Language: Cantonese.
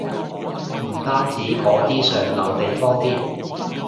唔單止嗰啲上流地方添